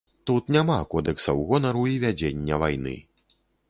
Тут няма кодэксаў гонару і вядзення вайны.